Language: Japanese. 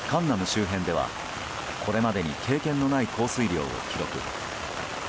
周辺ではこれまでに経験のない降水量を記録。